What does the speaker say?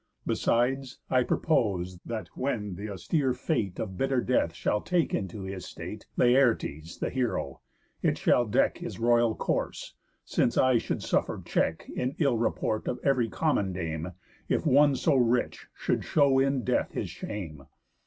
Besides, I purpose, that when th' austere fate Of bitter death shall take into his state Laertes the heroë, it shall deck His royal corse, since I should suffer check In ill report of ev'ry common dame, If one so rich should show in death his shame.